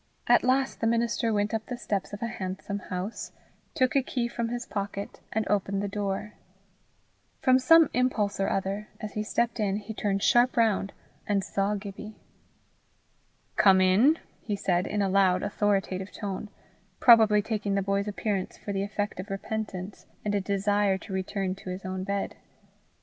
At last the minister went up the steps of a handsome house, took a key from his pocket, and opened the door. From some impulse or other, as he stepped in, he turned sharp round, and saw Gibbie. "Come in," he said, in a loud authoritative tone, probably taking the boy's appearance for the effect of repentance and a desire to return to his own bed.